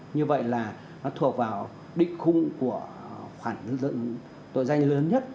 như vậy là nó thuộc vào định khung của khoản lượng tội doanh lớn nhất